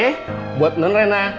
ya buat nona rena